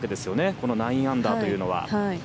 この９アンダーというのは。